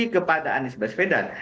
kepada anies baspedan